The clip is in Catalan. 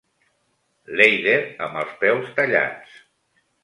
L'Èider, amb els peus tallats.